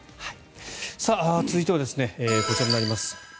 続いてはこちらになります。